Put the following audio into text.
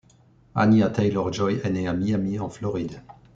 Anya Taylor-Joy est née à Miami, en Floride.